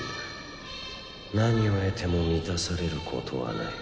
何を得ても満たされることはない。